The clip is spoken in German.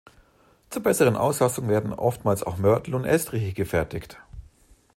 Zur besseren Auslastung werden oftmals auch Mörtel und Estriche gefertigt.